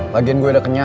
lagian gue udah kenyang